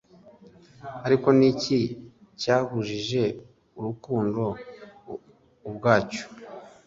Ariko niki cyahujije Urukundo ubwacyo